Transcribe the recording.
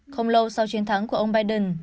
không lâu sau chiến thắng của ông biden